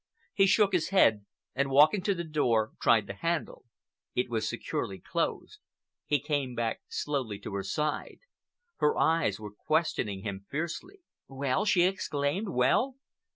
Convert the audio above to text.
He shook his head, and walking to the door tried the handle. It was securely closed. He came back slowly to her side. Her eyes were questioning him fiercely. "Well?" she exclaimed. "Well?"